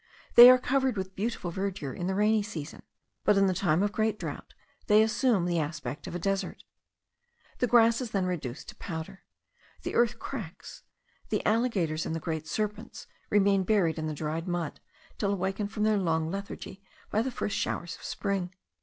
They are covered with beautiful verdure in the rainy season, but in the time of great drought they assume the aspect of a desert. The grass is then reduced to powder; the earth cracks; the alligators and the great serpents remain buried in the dried mud, till awakened from their long lethargy by the first showers of spring.